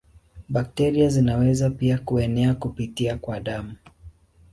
Bakteria zinaweza pia kuenea kupitia kwa damu.